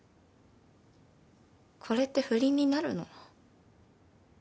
これって不倫になるの？